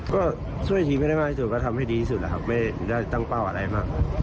ก็ช่วยทีมให้ได้มากที่สุดก็ทำให้ดีที่สุดนะครับไม่ได้ตั้งเป้าอะไรมาก